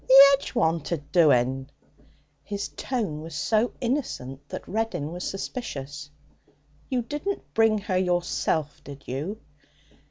'The 'edge wanted doing.' His tone was so innocent that Reddin was suspicious. 'You didn't bring her yourself, did you?'